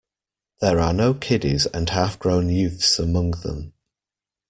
There are no kiddies and half grown youths among them.